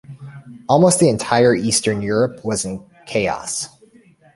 Almost the entire Eastern Europe was in chaos.